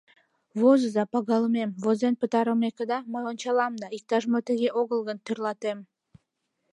Возыза, пагалымем, возен пытарымекыда, мый ончалам да, иктаж-мо тыге огыл гын, тӧрлатем...